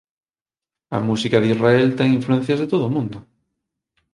A música de Israel ten influencias de todo o mundo